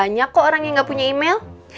banyak kok orang yang gak punya email